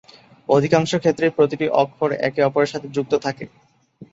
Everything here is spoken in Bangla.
অধিকাংশ ক্ষেত্রেই প্রতিটি অক্ষর একে অপরের সাথে যুক্ত থাকে।